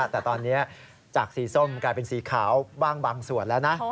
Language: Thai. แต่ตอนนี้จากสีส้มกลายเป็นสีขาวบ้างบางส่วนแล้วนะ